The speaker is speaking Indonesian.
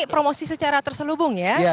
promosi secara terselubung ya